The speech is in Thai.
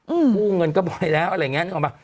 อืมวู่เงินก็บ่อยแล้วอะไรอย่างเนี่ยนึกออกมา